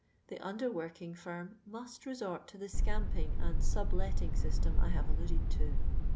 The under working firm iHost re sort to the scamping and subletting system I bare alluded to.